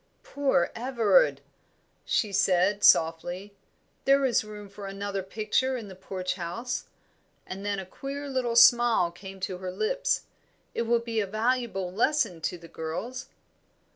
"Poor Everard!" she said, softly. "There is room for another picture in the Porch House." And then a queer little smile came to her lips. "It will be a valuable lesson to the girls."